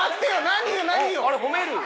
何？